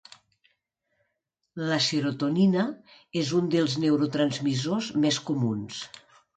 La serotonina és un dels neurotransmissors més comuns.